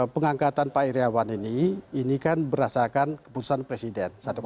pengangkatan pak iryawan ini ini kan berdasarkan keputusan presiden satu ratus enam dua ribu delapan belas